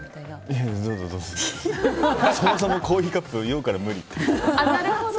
そもそもコーヒーカップは酔うから無理って言う。